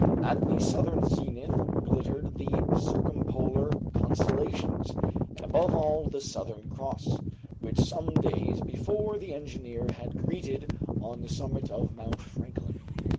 At the southern zenith glittered the circumpolar constellations, and above all the Southern Cross, which some days before the engineer had greeted on the summit of Mount Franklin.